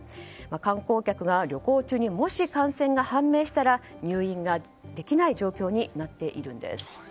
観光客が旅行中にもし感染が判明したら入院ができない状況になっているんです。